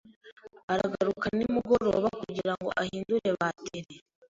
aragaruka nimugoroba kugirango ahindure bateri.